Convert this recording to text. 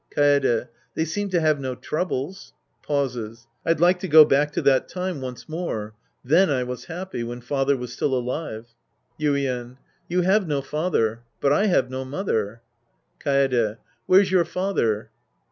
Kaede. They seem to have no troubles. {Pauses.) I'd like to go back to that time once more. Then I was happy. When father was still alive. Yuien. You have no father. But I have no mother. Kaede. Where's your father